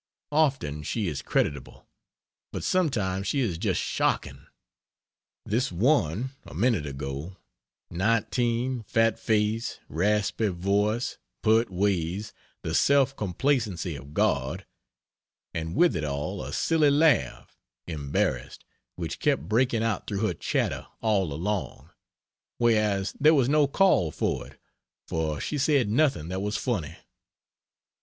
Often she is creditable, but sometimes she is just shocking. This one, a minute ago 19, fat face, raspy voice, pert ways, the self complacency of God; and with it all a silly laugh (embarrassed) which kept breaking out through her chatter all along, whereas there was no call for it, for she said nothing that was funny.